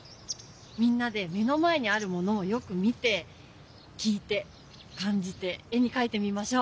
みんなで目の前にあるものをよく見て聞いて感じて絵にかいてみましょう。